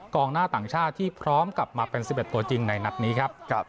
หน้าต่างชาติที่พร้อมกลับมาเป็น๑๑ตัวจริงในนัดนี้ครับ